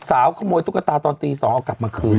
สาวโขมอยตุ๊กตาตอนตี๒ออกกลับมาคืนนี่